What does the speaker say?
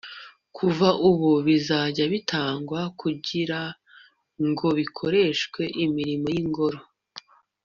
kuva ubu bizajya bitangwa kugira ngo bikoreshwe imirimo y'ingoro